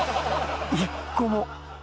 １個も。